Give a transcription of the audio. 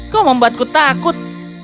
kau membuatku takut